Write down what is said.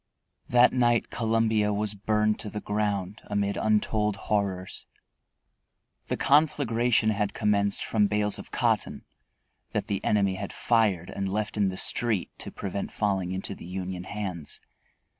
That night Columbia was burned to the ground amid untold horrors. The conflagration had commenced from bales of cotton that the enemy had fired and left in the street to prevent falling into the Union hands.